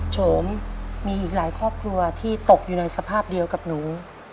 โฉมมีอีกหลายครอบครัวที่ตกอยู่ในสภาพเดียวกับหนู